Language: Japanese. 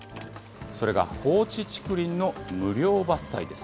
それが放置竹林の無料伐採です。